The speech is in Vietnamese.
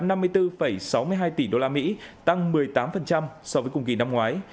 tăng một mươi bốn sáu mươi hai tỷ usd tăng một mươi tám so với cùng kỳ năm ngoái